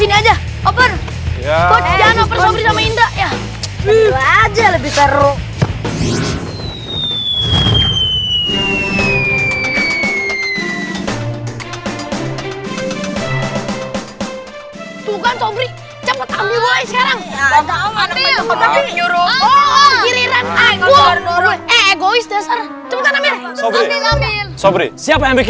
ya jangan sama indra ya lebih teruk